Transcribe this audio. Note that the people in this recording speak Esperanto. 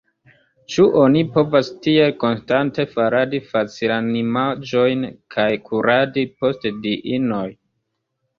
Ĉu oni povas tiel konstante faradi facilanimaĵojn kaj kuradi post diinoj?